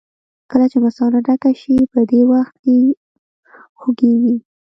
کله چې مثانه ډکه شي په دې وخت کې خوږېږي.